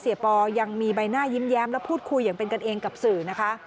ปอยังมีใบหน้ายิ้มแย้มและพูดคุยอย่างเป็นกันเองกับสื่อนะคะ